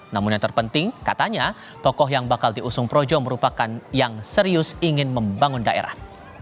namun yang terpenting katanya tokoh yang bakal diusung projo merupakan yang serius ingin membangun daerah